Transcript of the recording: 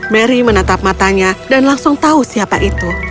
mary menatap matanya dan langsung tahu siapa itu